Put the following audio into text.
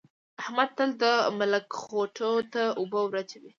احمد تل د ملک خوټو ته اوبه وراچوي.